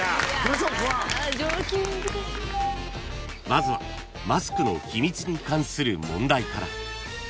［まずはマスクの秘密に関する問題から］